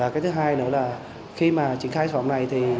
cái thứ hai nữa là khi mà triển khai sản phẩm này thì